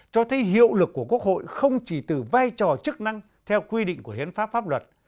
cho thấy hiệu lực của quốc hội không chỉ từ vai trò chức năng theo quy định của hiến pháp pháp luật